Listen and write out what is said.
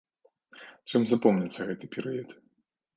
Чым запомніцца гэты перыяд?